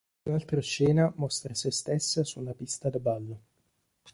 Un'altra scena mostra se stessa su una pista da ballo.